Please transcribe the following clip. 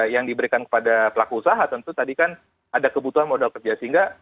yang diberikan kepada pelaku usaha tentu tadi kan ada kebutuhan modal kerja